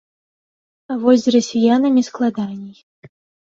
А вось з расіянамі складаней.